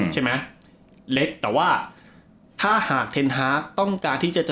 ใช่ไหมเล็กแต่ว่าถ้าหากเทนฮาร์กต้องการที่จะ